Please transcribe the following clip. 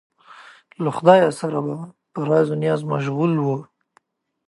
له خدایه سره به په راز و نیاز مشغول و.